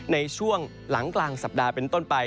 ในช่วงหลังกลางสัปดาห์เป็นต้นไป